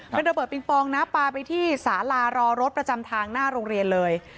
เป็นระเบิดปิงปองนะปลาไปที่สาลารอรถประจำทางหน้าโรงเรียนเลย